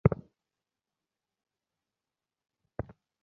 আমি ইভেঞ্জ্যালিনকে না আমি টিয়ানাকে ভালবাসি!